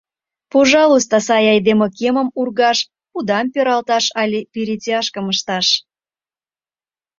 Пожалуйста, сай айдеме, кемым ургаш, пудам пералташ але перетяжкым ышташ...